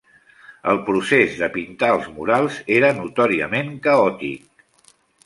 El procés de pintar els murals era notòriament caòtic.